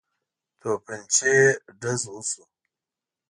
توپنچې ډز وشو.